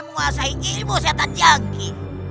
menguasai ilmu setan jangki